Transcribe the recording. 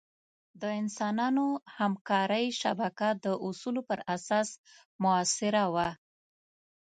د انسانانو همکارۍ شبکه د اصولو پر اساس مؤثره وه.